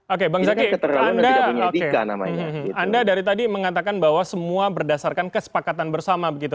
oke bang zaky anda dari tadi mengatakan bahwa semua berdasarkan kesepakatan bersama begitu